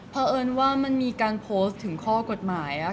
เพราะว่าสิ่งเหล่านี้มันเป็นสิ่งที่ไม่มีพยาน